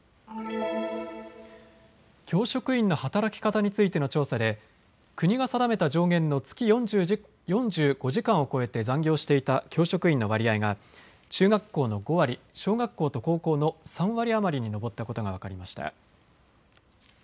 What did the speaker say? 教職員の働き方についての調査で国が定めた上限の月４５時間を超えて残業をしていた教職員の割合が中学校の５割、小学校と高校の３割余りに上ったことが分かりました。